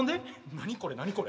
何これ何これ。